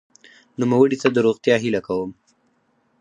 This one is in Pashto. نوموړي ته د روغتیا هیله کوم.